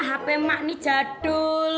hp mak ini jadul